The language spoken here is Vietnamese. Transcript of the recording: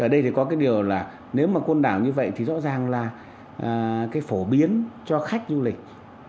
ở đây thì có cái điều là nếu mà côn đảo như vậy thì rõ ràng là cái phổ biến cho khách du lịch